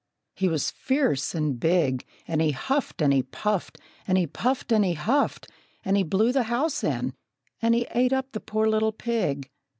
He was fierce and big, And he huffed and he puffed, And he puffed and he huffed, And he blew the house in, And he ate up the poor little pig.